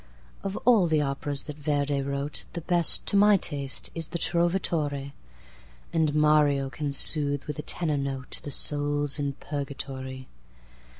Of all the operas that Verdi wrote, The best, to my taste, is the Trovatore; And Mario can soothe with a tenor noteThe souls in Purgatory.